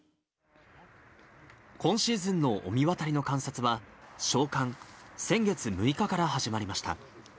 今シーズンの御神渡りの観察は、小寒、先月６日から始まりました。